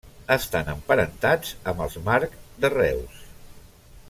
Estan emparentats amb els Marc de Reus.